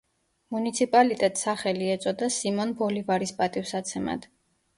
მუნიციპალიტეტს სახელი ეწოდა სიმონ ბოლივარის პატივსაცემად.